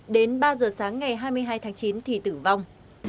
đến ba giờ sáng ngày hai mươi hai tháng chín thì tử vong